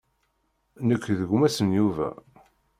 Nekk d gma-s n Yuba.